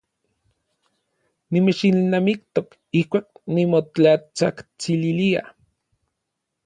Nimechilnamiktok ijkuak nimotlatsajtsililia.